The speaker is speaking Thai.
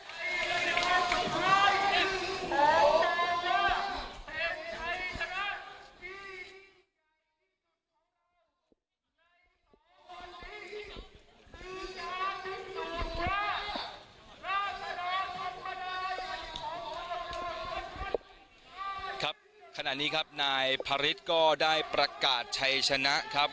เช้าที่สองครับครับขณะนี้ครับนายภริษก็ได้ประกาศชัยชนะครับ